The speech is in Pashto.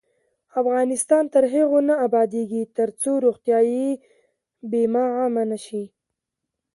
افغانستان تر هغو نه ابادیږي، ترڅو روغتیايي بیمه عامه نشي.